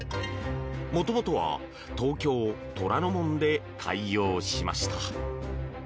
もともとは東京・虎ノ門で開業しました。